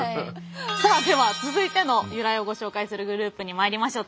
さあでは続いての由来をご紹介するグループにまいりましょう。